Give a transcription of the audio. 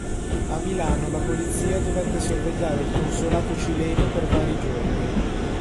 A Milano la polizia dovette sorvegliare il consolato cileno per vari giorni.